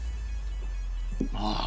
ああ。